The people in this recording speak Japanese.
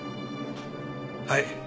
はい。